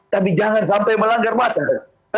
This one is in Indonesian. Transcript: tapi jangan sampai melanggar masker